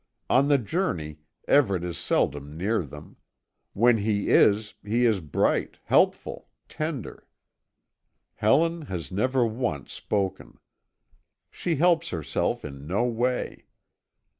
On the journey, Everet is seldom near them: when he is, he is bright, helpful, tender. Helen has never once spoken. She helps herself in no way.